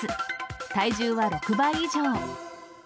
体重は６倍以上。